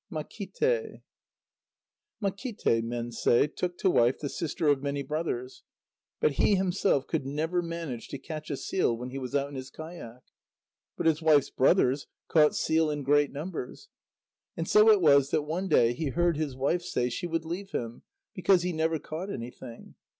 MAKÍTE Makíte, men say, took to wife the sister of many brothers, but he himself could never manage to catch a seal when he was out in his kayak. But his wife's brothers caught seal in great numbers. And so it was that one day he heard his wife say she would leave him, because he never caught anything.